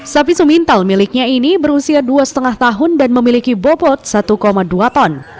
sapi sumintal miliknya ini berusia dua lima tahun dan memiliki bobot satu dua ton